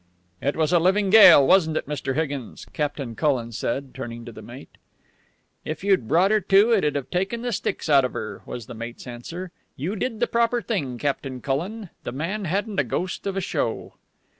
"It was a living gale, wasn't it, Mr. Higgins?" Captain Cullen said, turning to the mate. "If you'd brought her to, it'd have taken the sticks out of her," was the mate's answer. "You did the proper thing, Captain Cullen. The man hadn't a ghost of a show."